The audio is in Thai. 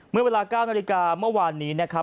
เมื่อเวลา๙นาฬิกาเมื่อวานนี้นะครับ